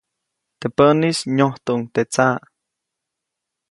Teʼ päʼnis nyojtuʼuŋ teʼ tsaʼ.